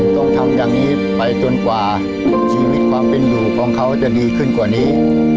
จากนี้ไปจนกว่าชีวิตความเป็นหลู่ของเขาจะดีขึ้นกว่านี้